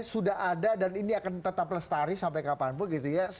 sudah ada dan ini akan tetap lestari sampai kapanpun gitu ya